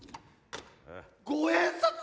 五円札⁉